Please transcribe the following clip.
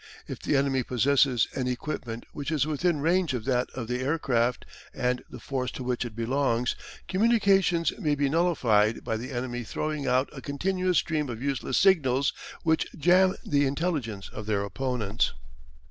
If the enemy possesses an equipment which is within range of that of the air craft and the force to which it belongs, communications may be nullified by the enemy throwing out a continuous stream of useless signals which "jamb" the intelligence of their opponents.